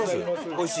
おいしい？